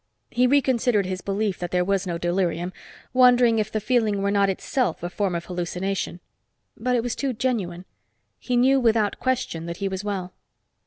He reconsidered his belief that there was no delirium, wondering if the feeling were not itself a form of hallucination. But it was too genuine. He knew without question that he was well.